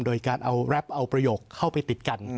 โดยการเอาแรปเอาประโยคเข้าไปติดกัน